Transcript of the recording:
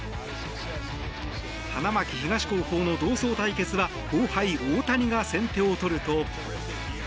花巻東高校の同窓対決は後輩・大谷が先手を取ると。